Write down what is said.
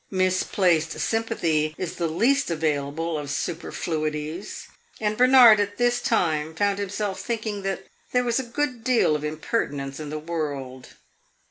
Misplaced sympathy is the least available of superfluities, and Bernard at this time found himself thinking that there was a good deal of impertinence in the world.